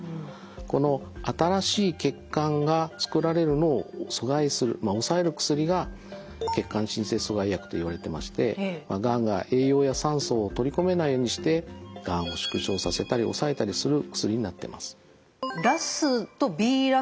この新しい血管がつくられるのを阻害する抑える薬が血管新生阻害薬といわれてましてがんが栄養や酸素を取り込めないようにしてがんを縮小させたり抑えたりする薬になってます。